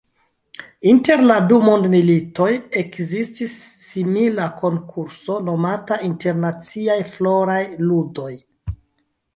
Inter la du mondmilitoj ekzistis simila konkurso nomata Internaciaj Floraj Ludoj.